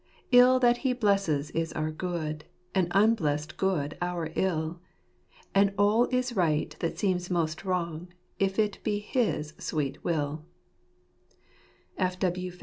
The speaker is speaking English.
Ill that He blesses is our good, and unblest good our ill ; And all is right that seems most wrong, if it be His sweet will."